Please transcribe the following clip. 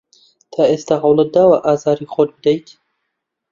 تا ئێستا هەوڵت داوە ئازاری خۆت بدەیت؟